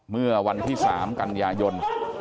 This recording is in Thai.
เมื่อวันที่๓กันยายน